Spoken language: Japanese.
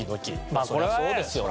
まあそれはそうですよね。